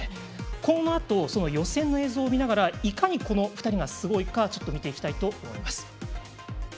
このあと予選の映像を見ながらいかに、この２人がすごいか見ていきたいと思います。